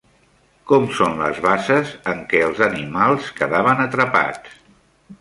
Com són les basses en què els animals quedaven atrapats?